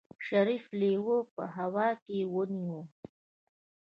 شريف لېوه په هوا کې ونيو.